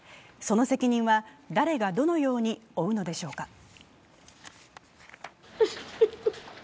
その責任は誰がどのように負うのでしょうか。